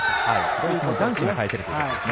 ドイツの男子が返せるということですね